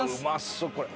そうこれ。